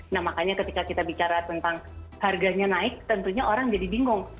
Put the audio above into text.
nah makanya ketika kita bicara tentang harganya naik tentunya orang jadi bingung